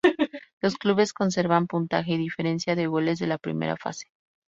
Los clubes conservan puntaje y diferencia de goles de la primera fase.